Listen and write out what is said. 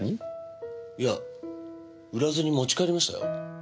いや売らずに持ち帰りましたよ。